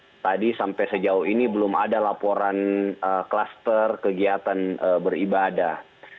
dan tadi sampai sejauh ini belum ada laporan klaster kegiatan beribadah